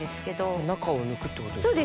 中を抜くってことですかワタを。